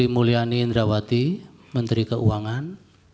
tiga ibu sri mulyani indrawati menteri keuangan